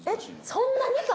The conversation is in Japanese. そんなにか？